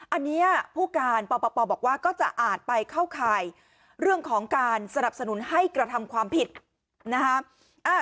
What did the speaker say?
อันนี้ผู้การปปบอกว่าก็จะอาจไปเข้าข่ายเรื่องของการสนับสนุนให้กระทำความผิดนะฮะ